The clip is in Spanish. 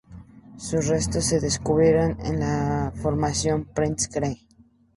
Sus restos se descubrieron en la Formación Prince Creek.